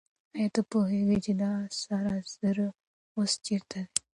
آیا ته پوهېږې چې دا سره زر اوس چېرته دي؟